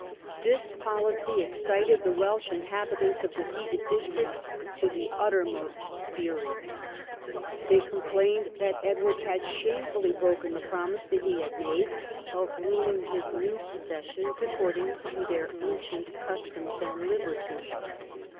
This policy excited the Welsh inhabitants of the ceded districts to the uttermost fury. They complained that Edward had shamefully broken the promise that he had made of ruling his new possessions according to their ancient customs and liberties.